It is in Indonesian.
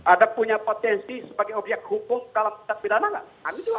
ada punya potensi sebagai objek hubung dalam bidang pidana tidak